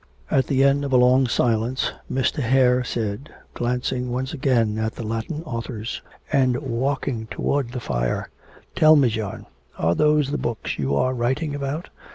At the end of a long silence Mr. Hare said glancing once again at the Latin authors, and walking towards the fire: "Tell me, John, are those the books you are writing about?